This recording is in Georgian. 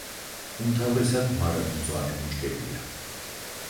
უმთავრესად მარადმწვანე ბუჩქებია.